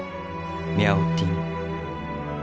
ミャオティン。